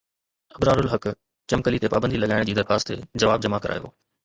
ابرارالحق چمڪلي تي پابندي لڳائڻ جي درخواست تي جواب جمع ڪرايو